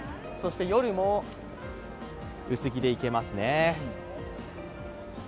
夜も薄着でいけますね。